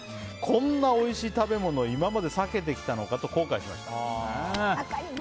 こんなおいしい食べ物を今まで避けてきたのかと後悔しました。